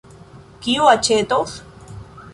Kiu aĉetos?